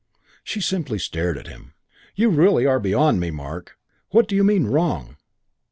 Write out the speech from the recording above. She simply stared at him. "You really are beyond me, Mark. What do you mean 'wrong'?"